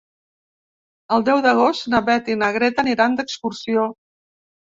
El deu d'agost na Beth i na Greta aniran d'excursió.